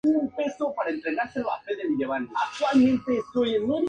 Sabe tocar el piano y la guitarra y Juega al baloncesto.